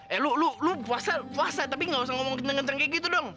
eh lu lu lu puasa puasa tapi gak usah ngomong kenceng kenceng kayak gitu dong